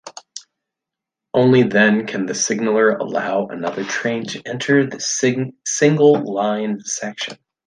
Only then can the signaller allow another train to enter the single line section.